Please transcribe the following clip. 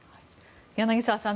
柳澤さん